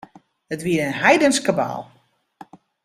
It wie in heidensk kabaal.